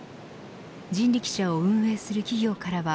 人力車を運営する企業からは